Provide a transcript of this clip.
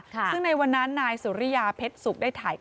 หิงถ่าย